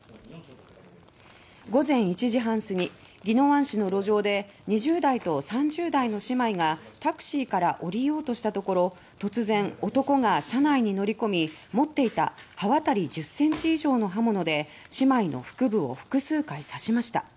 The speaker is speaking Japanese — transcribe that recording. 午前１時半すぎ宜野湾市の路上で２０代と３０代の姉妹がタクシーから降りようとしたところ突然男が車内に乗り込み持っていた刃渡り１０ｃｍ以上の刃物で姉妹の腹部を複数回刺しました。